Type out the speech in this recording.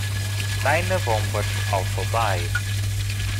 Nine bombers also died.